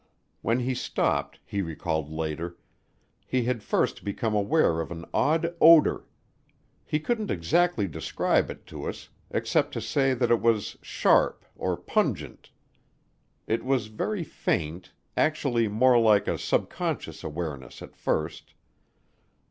When he stopped, he recalled later, he had first become aware of an odd odor. He couldn't exactly describe it to us, except to say that it was "sharp" or "pungent." It was very faint, actually more like a subconscious awareness at first.